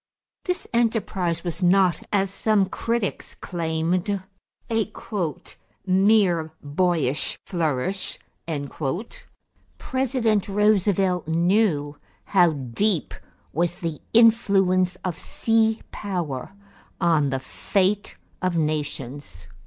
This enterprise was not, as some critics claimed, a "mere boyish flourish." President Roosevelt knew how deep was the influence of sea power on the fate of nations.